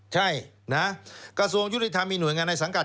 ใช่นะกระทรวงยุติธรรมมีหน่วยงานในสังกัด